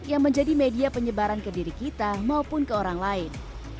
yang menjadi media penyebaran ke diri kita maupun ke orang lain